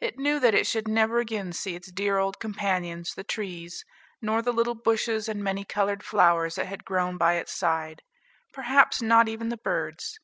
It knew that it should never again see its dear old companions, the trees, nor the little bushes and many colored flowers that had grown by its side; perhaps not even the birds.